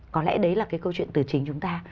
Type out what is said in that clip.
có lẽ đấy là cái câu chuyện từ chính chúng ta